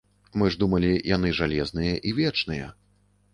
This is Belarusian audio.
Мы ж думалі, яны жалезныя і вечныя.